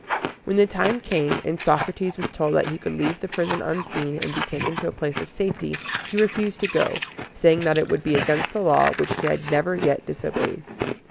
When the time came, and Socrates was told that he could leave the prison unseen, and be taken to a place of safety, he refused to go, saying that it would be against the law, which he had never yet disobeyed.